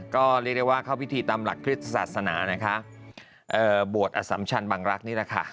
ก็เรียกได้ว่าเข้าพิธีตามหลักคริสตศาสนานะคะเอ่อบวชอสัมชันบังรักษ์นี่แหละค่ะ